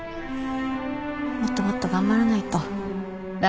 もっともっと頑張らないと。